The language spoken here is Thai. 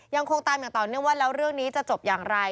ยังคงตามอย่างต่อเนื่องว่าแล้วเรื่องนี้จะจบอย่างไร